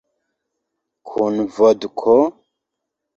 Kun vodko?